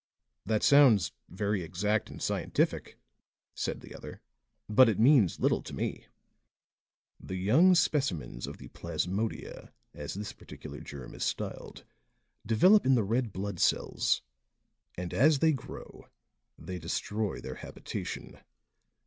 "That sounds very exact and scientific," said the other. "But it means little to me." "The young specimens of the plasmodia, as this particular germ is styled, develop in the red blood cells; and as they grow they destroy their habitation.